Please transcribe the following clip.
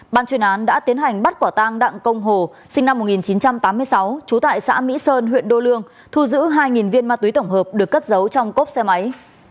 ban chuyên án đã tiến hành bắt quả tang đặng công hồ sinh năm một nghìn chín trăm tám mươi sáu trú tại xã mỹ sơn huyện đô lương thu giữ hai viên ma túy tổng hợp được cất giấu trong cốp xe máy